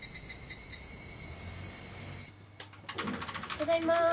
ただいま。